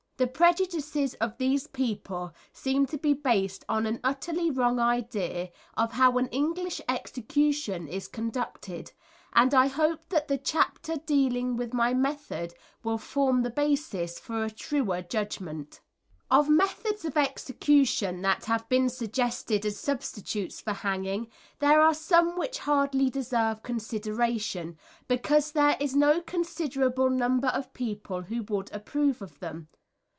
The prejudices of these people seem to be based on an utterly wrong idea of how an English execution is conducted, and I hope that the chapter dealing with my method will form the basis for a truer judgment. [Illustration: English Axe and Block, now in the Tower of London.] Of methods of execution that have been suggested as substitutes for hanging, there are some which hardly deserve consideration, because there is no considerable number of people who would approve of them.